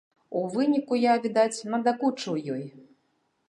У выніку я, відаць, надакучыў ёй.